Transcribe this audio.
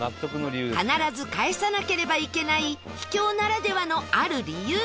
必ず返さなければいけない秘境ならではのある理由がありました